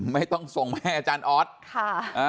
ไม่ต้องส่งมาให้อาจารย์ออสค่ะ